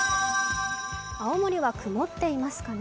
青森は曇っていますかね。